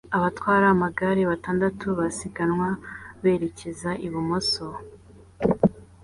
Abatwara amagare batandatu basiganwa berekeza ibumoso